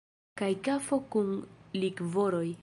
Kaj kafo kun likvoroj.